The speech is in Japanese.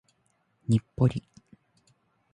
日暮里